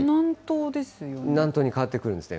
南東に変わってくるんですね。